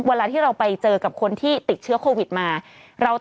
เวลาที่เราไปเจอกับคนที่ติดเชื้อโควิดมา